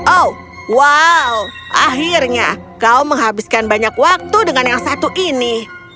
oh wow akhirnya kau menghabiskan banyak waktu dengan yang satu ini